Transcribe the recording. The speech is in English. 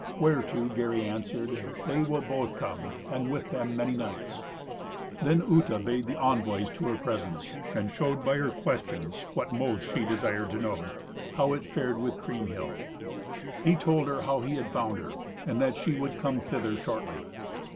Whereto Gary answered, "They will both come, and, with them, many knights." Then Uta bade the envoys to her presence, and showed by her questions what most she desired to know—how it fared with Kriemhild. He told her how he had found her, and that she would come thither shortly.